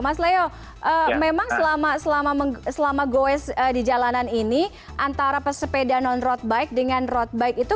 mas leo memang selama goes di jalanan ini antara pesepeda non road bike dengan road bike itu